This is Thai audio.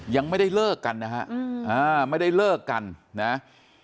ยังไม่ได้เลิกกันนะฮะไม่ได้เลิกกันนะ